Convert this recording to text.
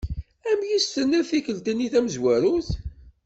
Amek i s-tenniḍ tikkelt-nni tamezwarut?